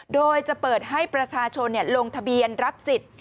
โดยจะเปิดให้ประชาชนลงทะเบียนรับสิทธิ์